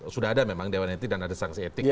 sudah ada memang dewan etik dan ada sanksi etik